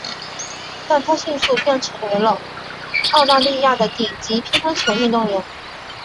但她迅速变成为了澳大利亚的顶级乒乓球运动员。